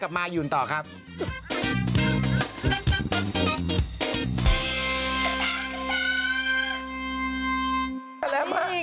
แล้วหายตายแล้ว